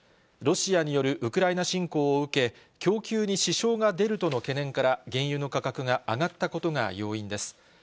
ロシアによるウクライナ侵攻を受け、供給に支障が出るとの懸念から、原油の価格が上がったことが要因です。